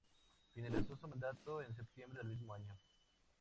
Finalizó su mandato en septiembre del mismo año.